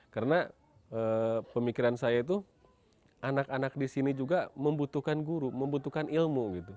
karena pemikiran saya itu anak anak di sini juga membutuhkan guru membutuhkan ilmu